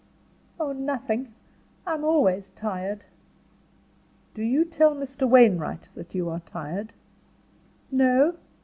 "Oh, nothing. I am always tired." "Do you tell Mr. Wainwright that you are tired?" "No.